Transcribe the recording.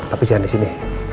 tapi jangan di sini